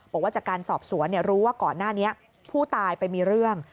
บอกว่าจากการสอบสวนรู้ว่าก่อนหน้านี้ผู้ตายไปมีเรื่อง